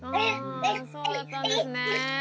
そうだったんですね。